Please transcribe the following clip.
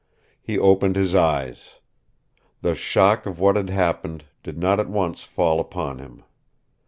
He opened his eyes. The shock of what had happened did not at once fall upon him.